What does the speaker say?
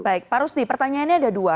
baik pak rusdi pertanyaannya ada dua